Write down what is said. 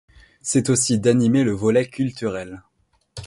C'est aussi d'animer le volet culturel.